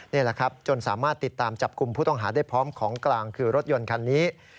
นี่แหละครับจนสามารถติดตามจับกลุ่มผู้ต้องหาได้พร้อมของกลางคือรถยนต์คันนี้